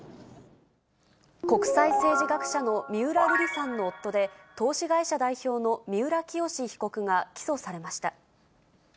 国際政治学者の三浦瑠麗さんの夫で、投資会社代表の三浦清志被告が起訴されました。